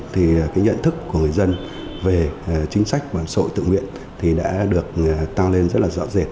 thì cái nhận thức của người dân về chính sách bảo hiểm xã hội tự nguyện thì đã được tăng lên rất là rõ rệt